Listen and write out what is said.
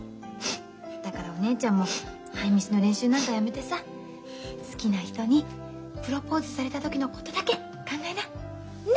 だからお姉ちゃんもハイミスの練習なんかやめてさ好きな人にプロポーズされた時のことだけ考えな。ね！